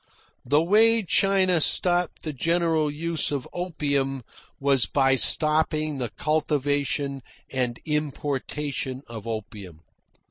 The way China stopped the general use of opium was by stopping the cultivation and importation of opium.